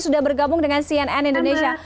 sudah bergabung dengan cnn indonesia